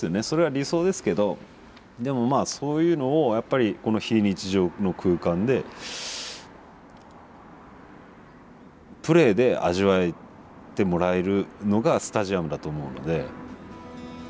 それは理想ですけどでもまあそういうのをやっぱりこの非日常の空間でプレーで味わってもらえるのがスタジアムだと思うので。